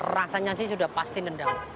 rasanya sih sudah pasti nendang